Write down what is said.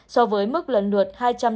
so với mức lần lượt hai trăm sáu mươi một